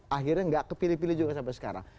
akhirnya nggak kepilih pilih juga sampai sekarang